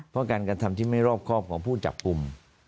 เพราะการกระทำที่ไม่รอบครอบของผู้จับกลุ่ม